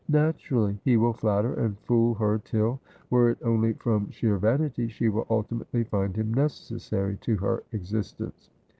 ' Naturally. He will flatter and fool her till — were it only from sheer vanity — she will ultimately find him necessary to her existence.